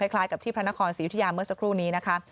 คล้ายกับที่พระนครศรียุธยาเมื่อสักครู่นี้นะคะ